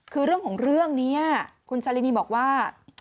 คือเรื่องของเรื่องนี้คุณชาลินีบอกว่า